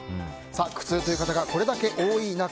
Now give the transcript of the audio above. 苦痛という方がこれだけ多い中